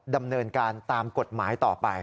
ดำเนินการตามกฎหมายต่อไป